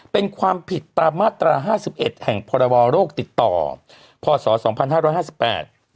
เป็นความผิดตามมาตราห้าสิบเอ็ดแห่งพรบโรคติดต่อพศสองพันห้าร้อยห้าสิบแปด